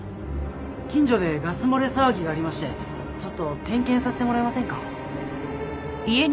近所でガス漏れ騒ぎがありましてちょっと点検させてもらえませんか？